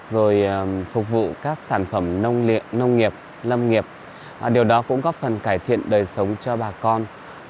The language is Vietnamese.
rồi phục vụ các sản phẩm nông nghiệp lâm nghiệp điều đó cũng góp phần cải thiện đời sống cho bà con